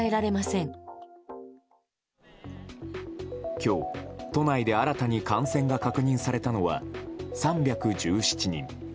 今日、都内で新たに感染が確認されたのは３１７人。